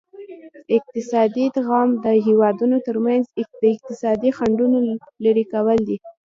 اقتصادي ادغام د هیوادونو ترمنځ د اقتصادي خنډونو لرې کول دي